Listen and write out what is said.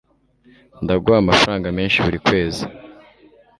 ndaguha amafaranga menshi buri kwezi